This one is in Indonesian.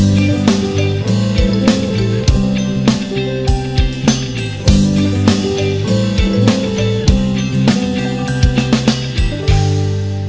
sampai ketemu lagi qua